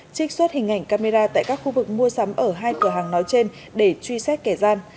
trích xuất hình ảnh camera tại các khu vực mua sắm ở hai cửa hàng nói trên để truy xét kẻ gian